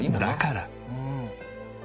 だから。